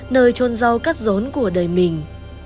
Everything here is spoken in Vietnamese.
nơi trôn rau cắt rốn của đời mình